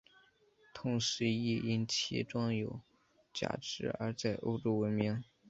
同时亦因其装有假肢而在欧洲闻名。